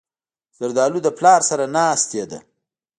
زردالو له پلار سره ناستې ده.